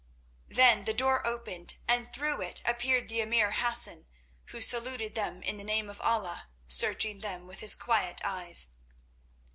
Then the door opened, and through it appeared the emir Hassan, who saluted them in the name of Allah, searching them with his quiet eyes.